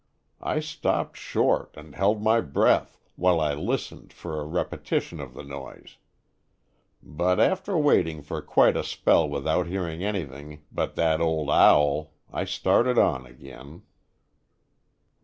I stopped short and held my breath, while I listened for a repeti tion of the noise. But after waiting for quite a spell without hearing anything but thet old owl, I started on agen.